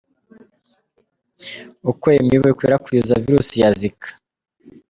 Uko iyo mibu ikwirakwiza virus ya Zika.